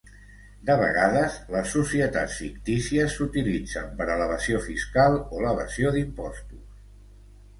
De vegades, les societats fictícies s'utilitzen per a l'evasió fiscal o l'evasió d'impostos.